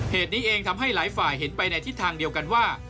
เหตุนี้เองทำให้หลายฝ่ายเห็นไปในทิศทางเดียวกันว่า